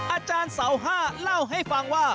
อาจารย์เสา๕เล่าให้ฟังว่า